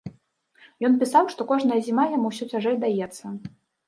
Ён пісаў, што кожная зіма яму ўсё цяжэй даецца.